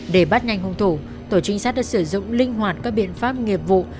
để bắt nhanh hung thủ tổ trinh sát đã sử dụng linh hoạt các biện pháp nghiệp vụ